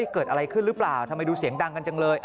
เกิดอะไรขึ้นหรือเปล่าทำไมดูเสียงดังกันจังเลย